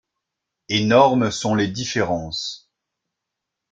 Énormes sont les différences.